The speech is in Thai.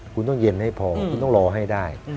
คุณต้องเย็นให้พอคุณต้องรอให้ได้